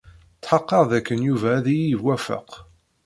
Tḥeqqeɣ dakken Yuba ad iyi-iwafeq.